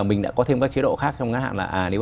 mình đã có thêm các chế độ khác trong ngã hạn là nếu